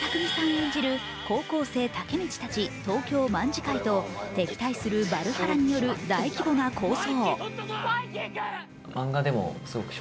演じる高校生、タケミチたち東京卍會と敵対する芭流覇羅による大規模な抗争。